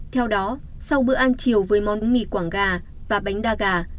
theo đó sau bữa ăn chiều với món mì quảng gà và bánh đa gà